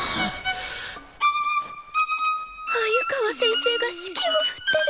鮎川先生が指揮を振ってる！